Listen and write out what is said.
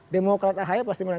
demokrat ahaya pasti menang